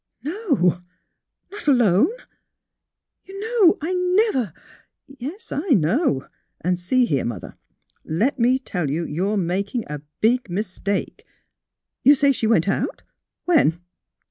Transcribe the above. " ''No! Not alone. You know I never "*' Yes; I know. And, see here. Mother; let me tell you, you're making a big mistake "'' You say she went out? When?